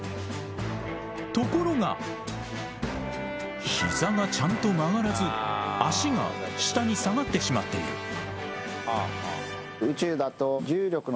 ところが膝がちゃんと曲がらず脚が下に下がってしまっている。